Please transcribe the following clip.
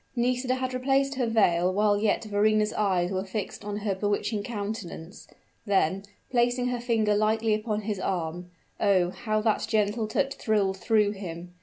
Nisida had replaced her veil while yet Verrina's eyes were fixed on her bewitching countenance; then, placing her finger lightly upon his arm oh! how that gentle touch thrilled through him!